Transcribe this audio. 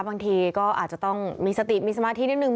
บางทีก็อาจจะต้องมีสติมีสมาธินิดนึ